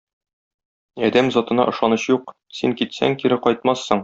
Адәм затына ышаныч юк, син китсәң, кире кайтмассың.